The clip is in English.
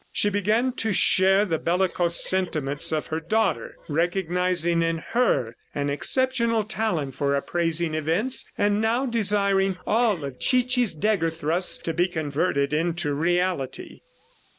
... She began to share the bellicose sentiments of her daughter, recognizing in her an exceptional talent for appraising events, and now desiring all of Chichi's dagger thrusts to be converted into reality.